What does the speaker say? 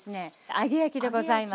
揚げ焼きでございます。